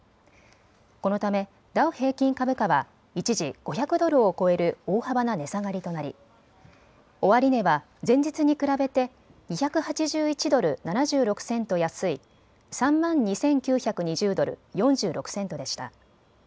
このためダウ平均株価は一時、５００ドルを超える大幅な値下がりとなり終値は前日に比べて２８１ドル７６セント安い３万２９２０ドル４６セントでした。